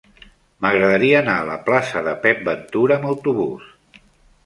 M'agradaria anar a la plaça de Pep Ventura amb autobús.